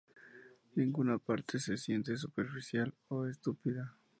Ninguna parte se siente superficial o estúpida.